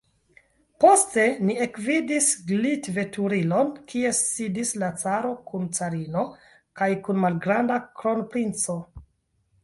Poste ni ekvidis glitveturilon, kie sidis la caro kun carino kaj kun malgranda kronprinco.